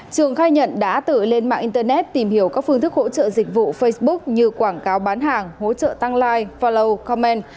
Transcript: trường khai nhận đã tự lên mạng internet tìm hiểu các phương thức hỗ trợ dịch vụ facebook như quảng cáo bán hàng hỗ trợ tăng like flow comment